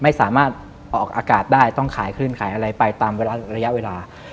ไม่สามารถออกอากาศได้ต้องขายคลื่นขายอะไรไปตามระยะเวลา